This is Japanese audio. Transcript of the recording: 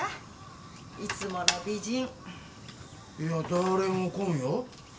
いやだれも来んよ。